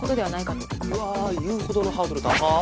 うわ「言うほど」のハードル高っ！